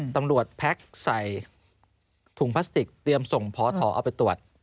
แพ็คใส่ถุงพลาสติกเตรียมส่งพอถอเอาไปตรวจ